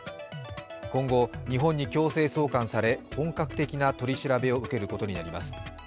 今後、日本に強制送還され、本格的な取り調べを受けることになります。